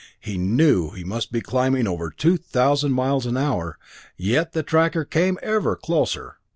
He knew he must be climbing over two thousand miles an hour, yet the tracker came ever closer.